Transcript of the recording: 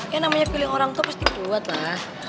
ya namanya pilih orang tuh pasti puat lah